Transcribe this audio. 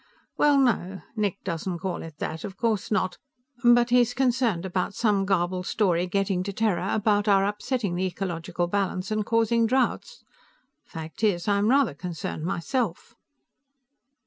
"Well, no, Nick doesn't call it that; of course not. But he's concerned about some garbled story getting to Terra about our upsetting the ecological balance and causing droughts. Fact is, I'm rather concerned myself."